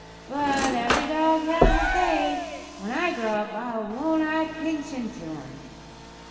But every dog has his day. When I grow up won't I pitch into 'em!"